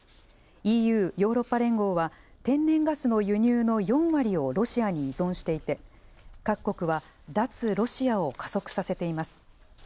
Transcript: ＥＵ・ヨーロッパ連合は天然ガスの輸入の４割をロシアに依存していて各国は脱ロシアを加速させています。